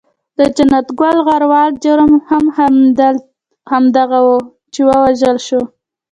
د جنت ګل غروال جرم هم همدغه وو چې و وژل شو.